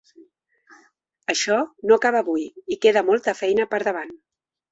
Això no acaba avui i queda molta feina per davant.